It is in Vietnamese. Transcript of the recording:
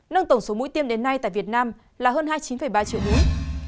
nâng tổng số mũi tiêm đến nay tại việt nam là hơn hai mươi chín ba triệu mũi